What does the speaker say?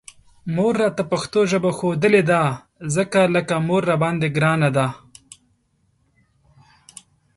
مور راته پښتو ژبه ښودلې ده، ځکه لکه مور راباندې ګرانه ده